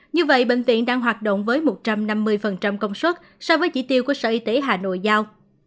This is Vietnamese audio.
như vậy bệnh viện đang hoạt động với một trăm năm mươi công suất so với chỉ tiêu của sở y tế hà nội giao